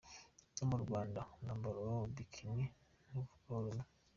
No mu Rwanda umwabaro wa “Bikini” ntuvugwaho rumwe.